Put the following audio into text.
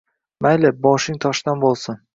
Mayli boshing toshdan bo‘lsin!